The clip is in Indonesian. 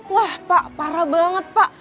wah pak parah banget pak